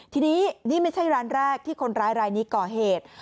ทีนี้นี่ไม่ใช่ร้านแรกที่คนร้ายรายนี้ก่อเหตุ